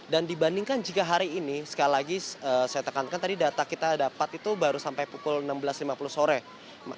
dibandingkan jika hari ini sekali lagi saya tekankan tadi data kita dapat itu baru sampai pukul enam belas lima puluh sore